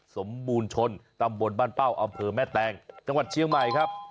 สมบูรณ์ชนตำบลบ้านเป้าอำเภอแม่แตงจังหวัดเชียงใหม่ครับ